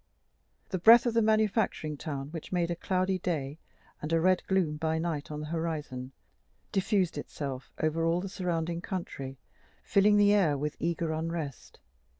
The breath of the manufacturing town, which made a cloudy day and a red gloom by night on the horizon, diffused itself over all the surrounding country, filling the air with eager unrest.